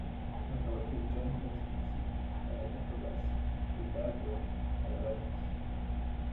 On y retrouve John Patitucci à la contrebasse et Dave Weckl à la batterie.